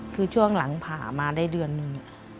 คือช่วงหลังผ่ามาได้เดือนหนึ่ง